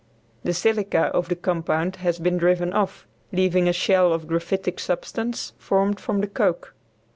The silica of the compound has been driven off, leaving a shell of graphitic substance formed from the coke.